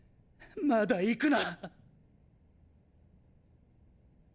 まだ行くな。